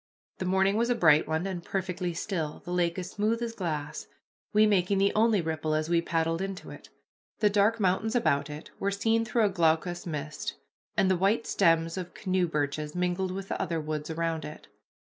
The morning was a bright one, and perfectly still, the lake as smooth as glass, we making the only ripple as we paddled into it. The dark mountains about it were seen through a glaucous mist, and the white stems of canoe birches mingled with the other woods around it.